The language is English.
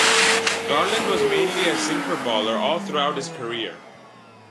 Garland was mainly a sinkerballer all throughout his career.